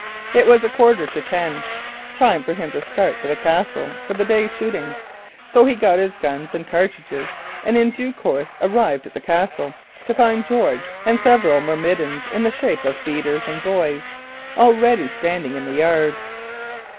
It was a quarter to ten, time for him to start for the Castle for his day's shooting. So he got his gun and cartridges, and in due course arrived at the Castle, to find George and several myrmidons, in the shape of beaters and boys, already standing in the yard.